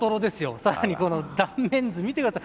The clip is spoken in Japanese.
さらに断面図、見てください。